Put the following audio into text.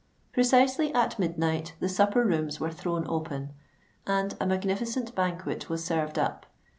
Precisely at midnight the supper rooms were thrown open; and a magnificent banquet was served up.